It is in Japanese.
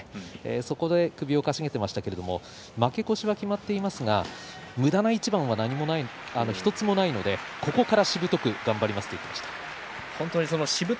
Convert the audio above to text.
そこで首をかしげていましたけれども負け越しは決まっていますがむだな一番は１つもないのでここからしぶとく頑張りますと話していました。